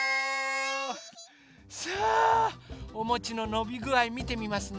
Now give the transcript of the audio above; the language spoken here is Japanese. さあおもちののびぐあいみてみますね。